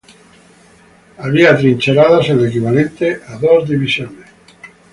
Había atrincheradas el equivalente a dos divisiones.